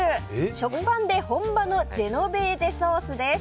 食パンで本場のジェノベーゼソースです。